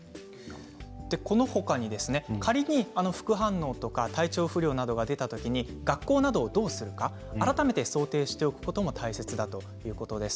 このほかに仮に重い副反応や体調不良などが出たときに学校などをどうするか改めて想定しておくことも大切だということです。